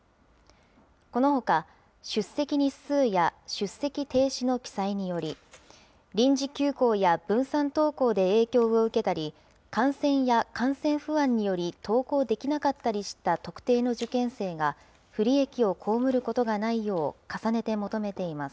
このほか、出席日数や出席停止の記載により、臨時休校や分散登校で影響を受けたり、感染や感染不安により登校できなかったりした特定の受験生が不利益を被ることがないよう、重ねて求めています。